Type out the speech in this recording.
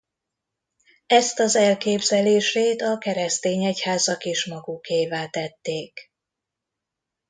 Ezt az elképzelését a keresztény egyházak is magukévá tették.